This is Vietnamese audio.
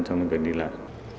trong việc đi lại